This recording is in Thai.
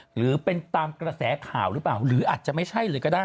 หรือเป็นตามกระแสข่าวหรือเปล่าหรืออาจจะไม่ใช่เลยก็ได้